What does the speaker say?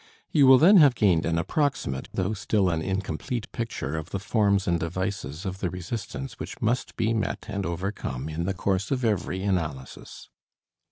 You will then have gained an approximate, though still an incomplete picture of the forms and devices of the resistance which must be met and overcome in the course of every analysis.